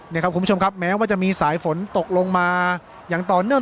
นี่ครับคุณผู้ชมครับแม้ว่าจะมีสายฝนตกลงมาอย่างต่อเนื่อง